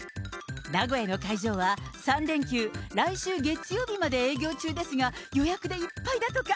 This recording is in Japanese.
名古屋の会場は３連休、来週月曜日まで営業中ですが、予約でいっぱいだとか。